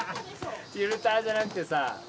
フィルターじゃなくてさ。